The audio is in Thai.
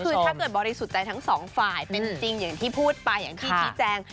คือถ้าเกิดบริสุทธิ์ใจทั้งสองฝ่ายเป็นจริงอย่างที่พูดไปอย่างที่ชี้แจง